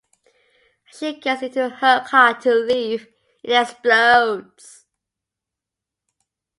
As she gets into her car to leave, it explodes.